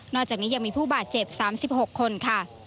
จากนี้ยังมีผู้บาดเจ็บ๓๖คนค่ะ